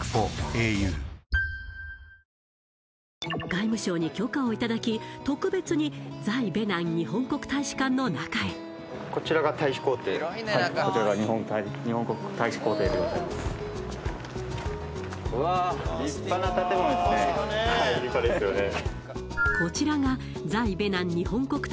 外務省に許可をいただき特別に在ベナン日本国大使館の中へはい立派ですよね